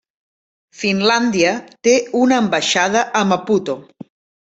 Finlàndia té una ambaixada a Maputo.